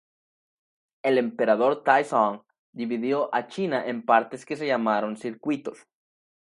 El emperador Taizong dividió a China en partes que se llamaron "circuitos".